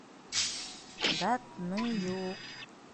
...Датныюк!